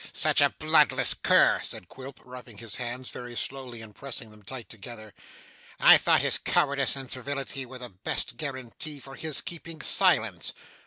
'Such a bloodless cur!' said Quilp, rubbing his hands very slowly, and pressing them tight together. 'I thought his cowardice and servility were the best guarantee for his keeping silence.